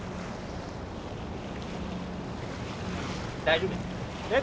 大丈夫や。